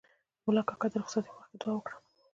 ملا کاکا د رخصتۍ په وخت کې دوعا وکړه.